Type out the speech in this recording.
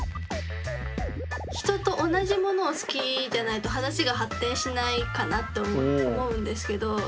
人と同じものを好きじゃないと話が発展しないかなって思うんですけど。